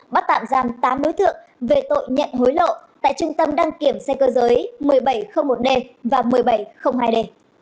bắt tạm giam tám đối thượng về tội nhận hối lộ tại trung tâm đăng kiểm xe cơ giới một nghìn bảy trăm linh một d và một nghìn bảy trăm linh hai d